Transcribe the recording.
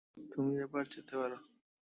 তুমি এবার যেতে পারো।